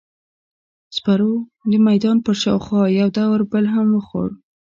سپرو د میدان پر شاوخوا یو دور بل هم وخوړ.